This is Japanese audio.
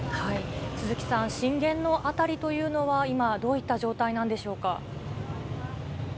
鈴木さん、震源の辺りというのは、今、どういった状態なんでしょうか。